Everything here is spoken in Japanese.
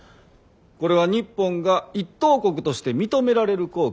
これは日本が一等国として認められる好機。